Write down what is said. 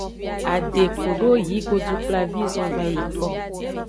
Ade kodo yi godukplavi zonvayiko.